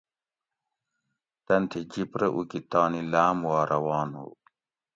تۤن تھی جیپ رہۤ اُوکی تانی لاۤم وا روان ہُو